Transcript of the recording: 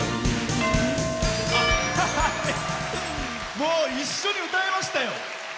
もう一緒に歌えましたよ。